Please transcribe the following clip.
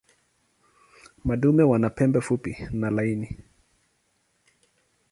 Madume wana pembe fupi na laini.